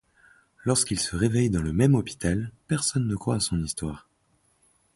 Lorsqu'il se réveille dans le même hôpital, personne ne croit à son histoire.